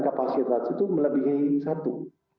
kapasitas itu melebihi satu